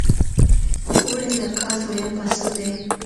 اوړی د کال دویم فصل دی .